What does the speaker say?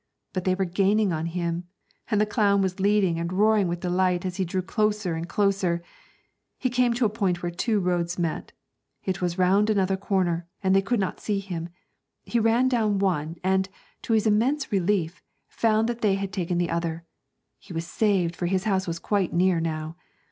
But they were gaining on him, and the clown was leading and roaring with delight as he drew closer and closer. He came to a point where two roads met. It was round another corner, and they could not see him. He ran down one, and, to his immense relief, found they had taken the other. He was saved, for his house was quite near now.